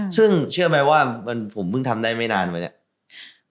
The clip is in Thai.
ซึ่งเชื่อไหมว่าผมเพิ่งทำได้ไม่นานมาเนี่ย